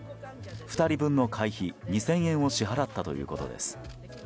２人分の会費２０００円を支払ったということです。